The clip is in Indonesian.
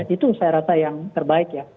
itu saya rasa yang terbaik ya